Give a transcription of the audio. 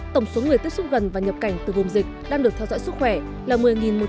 tổng số người tiếp xúc gần và nhập cảnh từ gồm dịch đang được theo dõi sức khỏe là một mươi một trăm hai mươi ba người